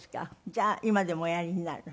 じゃあ今でもおやりになる？